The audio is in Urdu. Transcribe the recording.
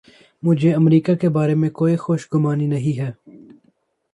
مجھے امریکہ کے بارے میں کوئی خوش گمانی نہیں ہے۔